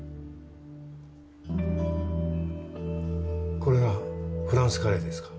これがフランスカレエですか？